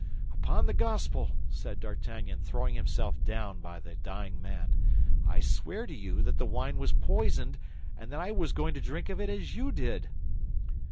"Upon the Gospel," said D'Artagnan, throwing himself down by the dying man, "I swear to you that the wine was poisoned and that I was going to drink of it as you did."